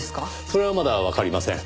それはまだわかりません。